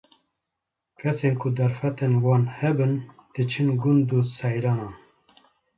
Kesên ku derfetên wan hebin, diçin gund û seyranan.